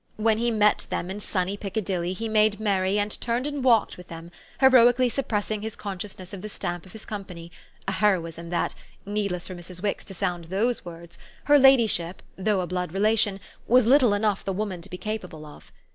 When he met them in sunny Piccadilly he made merry and turned and walked with them, heroically suppressing his consciousness of the stamp of his company, a heroism that needless for Mrs. Wix to sound THOSE words her ladyship, though a blood relation, was little enough the woman to be capable of.